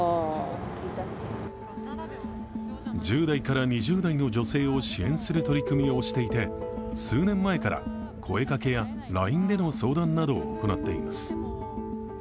１０代から２０代の女性を支援する取り組みをしていて数年前から声かけやＬＩＮＥでの相談などを行っています。